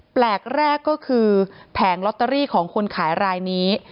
แปลกแรกก็คือแผงลอตเตอรี่ของคนขายรายนี้